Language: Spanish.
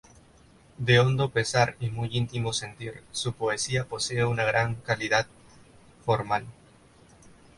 De hondo pensar y muy íntimo sentir, su poesía posee una gran calidad formal.